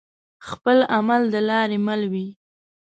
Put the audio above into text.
خپل عمل دلاري مل وي